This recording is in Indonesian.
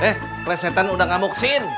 eh kelesetan udah gak moksin